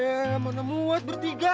eh mana muat bertiga